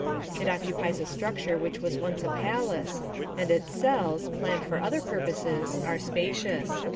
It occupies a structure which was once a palace; and its cells, planned for other purposes, are spacious.